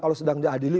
kalau sedang diadili